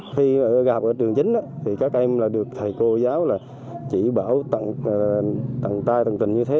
khi gặp ở trường chính thì các em là được thầy cô giáo là chỉ bảo tặng tầng tay tầng tình như thế